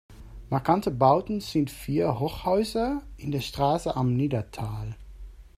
Markante Bauten sind vier Hochhäuser in der Straße "Am Niddatal".